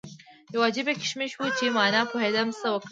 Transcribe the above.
یو عجیبه کشمکش و چې ما نه پوهېدم څه وکړم.